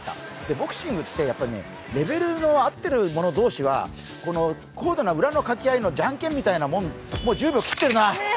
ボクシングってレベルの合ってる者同士は高度な裏の掛け合いのじゃんけんみたいなもんもう１０秒切ってるな！